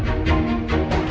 aku mau pergi